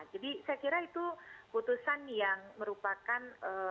jadi saya kira itu putusan yang merupakan